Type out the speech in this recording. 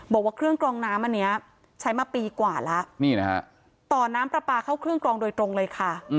บอกว่าเครื่องกรองน้ำอันนี้ใช้มาปีกว่าแล้วนี่นะฮะต่อน้ำปลาปลาเข้าเครื่องกรองโดยตรงเลยค่ะ